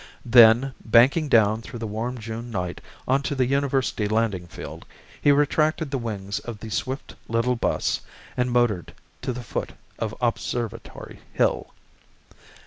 Then, banking down through the warm June night onto the University landing field, he retracted the wings of his swift little bus and motored to the foot of Observatory Hill.